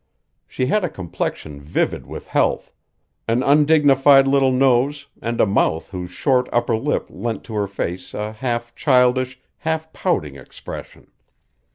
She had a complexion vivid with health, an undignified little nose and a mouth whose short upper lip lent to her face a half childish, half pouting expression.